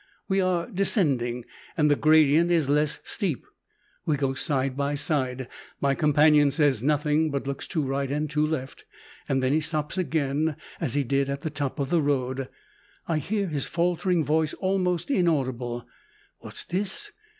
We are descending, and the gradient is less steep. We go side by side. My companion says nothing, but looks to right and to left. Then he stops again, as he did at the top of the road. I hear his faltering voice, almost inaudible "What's this!